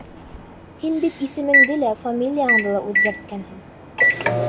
Һин бит исемеңде лә, фамилияңды ла үҙгәрткәнһең.